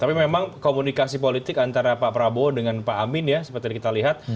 tapi memang komunikasi politik antara pak prabowo dengan pak amin ya seperti yang kita lihat